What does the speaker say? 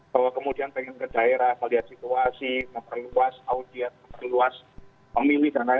kalau kemudian pengen ke daerah melihat situasi memperluas audiat memilih dan lain lain